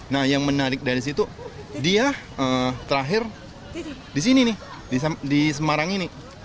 nah yang menarik dari situ dia terakhir di sini nih di semarang ini